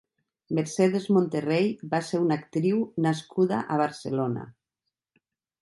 Mercedes Monterrey va ser una actriu nascuda a Barcelona.